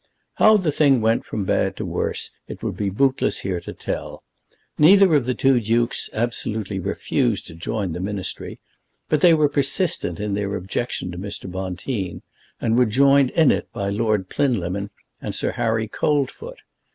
How the thing went from bad to worse, it would be bootless here to tell. Neither of the two dukes absolutely refused to join the Ministry; but they were persistent in their objection to Mr. Bonteen, and were joined in it by Lord Plinlimmon and Sir Harry Coldfoot.